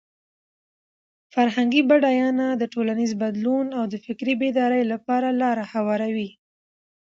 فرهنګي بډاینه د ټولنیز بدلون او د فکري بیدارۍ لپاره لاره هواروي.